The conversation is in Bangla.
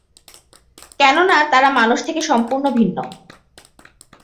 কেননা তারা মানুষ থেকে সম্পূর্ণ ভিন্ন।